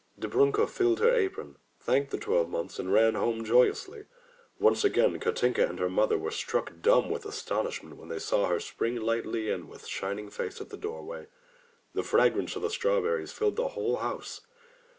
Dobrunka filled her apron, thanked the Twelve Months and ran home joyfully. Once again Katinka and her mother were struck dumb with astonishment when they saw her spring lightly in with shining face at the doorway. The fragrance of the strawberries filled the whole house.